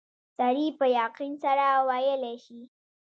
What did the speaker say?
سړی په یقین سره ویلای شي.